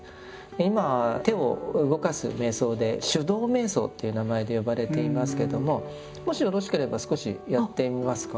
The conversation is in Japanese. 今手を動かす瞑想で「手動瞑想」という名前で呼ばれていますけどももしよろしければ少しやってみますか？